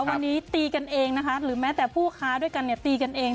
วันนี้ตีกันเองนะคะหรือแม้แต่ผู้ค้าด้วยกันเนี่ยตีกันเอง